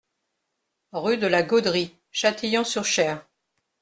Rue de la Gaudrie, Châtillon-sur-Cher